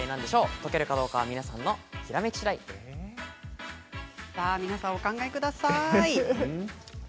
解けるかどうかは皆さんの皆さんお考えください。